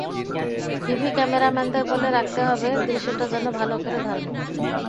TV ক্যামেরাম্যানদের বলে রাখতে হবে, দৃশ্যটা যেন ভালো করে ধারণ করে।